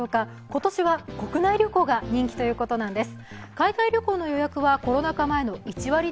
今年は国内旅行が人気ということなんです。